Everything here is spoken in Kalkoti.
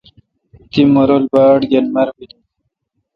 تی مہ رل باڑ گین مربینی۔